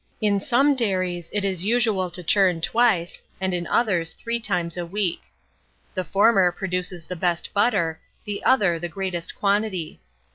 In some dairies it is usual to churn twice, and in others three times a week: the former produces the best butter, the other the greatest quantity.